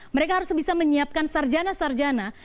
mereka harus bisa menyiapkan sarjana sarjana